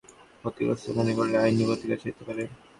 আমরা বলছি, সরকার নিজেকে ক্ষতিগ্রস্ত মনে করলে আইনি প্রতিকার চাইতে পারে।